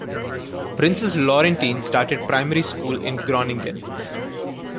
Princess Laurentien started primary school in Groningen.